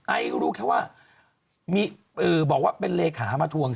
รู้แค่ว่าบอกว่าเป็นเลขามาทวง